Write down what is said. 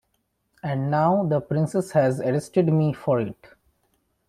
And now the princess has arrested me for it.